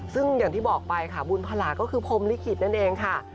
ซึ่งอย่างที่บอกไปค่ะบุญพลาก็คือพรมลิขิตนั่นเองค่ะ